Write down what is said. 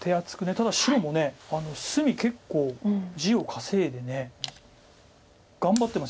ただ白も隅結構地を稼いで頑張ってます。